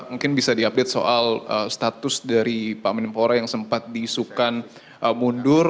mungkin bisa diupdate soal status dari pak menpora yang sempat diisukan mundur